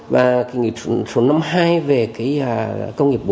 và cái nghị quyết số năm mươi hai về công nghiệp bốn